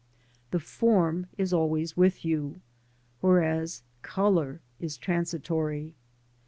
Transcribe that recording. The form is always with you, whereas colour is transitory.